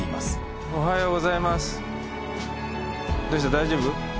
大丈夫？